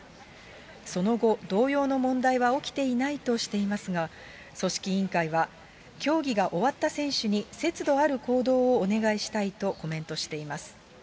その後、同様の問題は起きていないとしていますが、組織委員会は、競技が終わった選手に節度ある行動をお願いしたいとコメントしています。